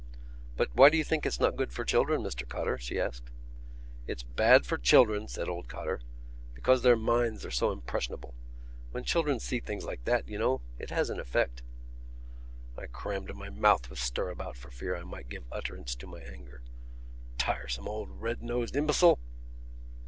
"But why do you think it's not good for children, Mr Cotter?" she asked. "It's bad for children," said old Cotter, "because their minds are so impressionable. When children see things like that, you know, it has an effect...." I crammed my mouth with stirabout for fear I might give utterance to my anger. Tiresome old red nosed imbecile!